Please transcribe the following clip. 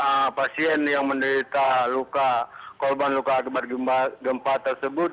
sehingga jika pasien yang menderita luka korban luka agak gempa tersebut